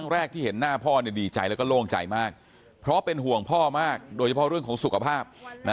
แต่ก็โล่งใจมากเพราะเป็นห่วงพ่อมากโดยเฉพาะเรื่องของสุขภาพ